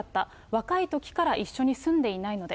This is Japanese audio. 若いときから一緒に住んでいないので。